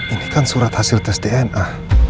ini kan surat hasil tes dna